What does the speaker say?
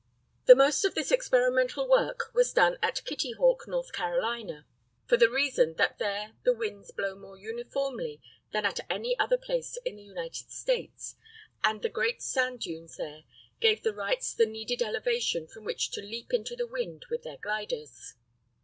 The most of this experimental work was done at Kitty Hawk, N. C.; for the reason that there the winds blow more uniformly than at any other place in the United States, and the great sand dunes there gave the Wrights the needed elevation from which to leap into the wind with their gliders.